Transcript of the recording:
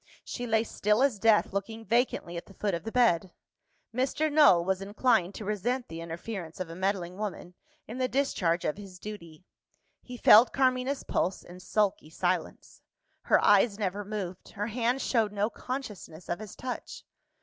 She lay still as death, looking vacantly at the foot of the bed. Mr. Null was inclined to resent the interference of a meddling woman, in the discharge of his duty. He felt Carmina's pulse, in sulky silence. Her eyes never moved; her hand showed no consciousness of his touch.